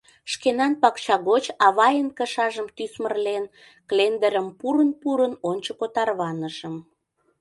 Шкенан пакча гоч, авайын кышажым тӱсмырлен, клендырым пурын-пурын, ончыко тарванышым.